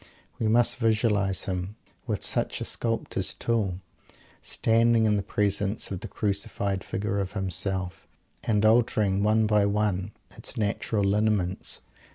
We must visualize him, with such a sculptor's tool, standing in the presence of the crucified figure of himself; and altering one by one, its natural lineaments!